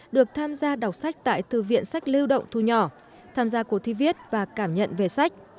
được tham gia đọc sách tại thư viện sách lưu động thu nhỏ tham gia cuộc thi viết và cảm nhận về sách